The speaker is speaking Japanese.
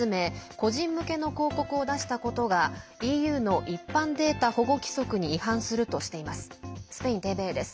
個人向けの広告を出したことがＥＵの一般データ保護規則に違反するとしています。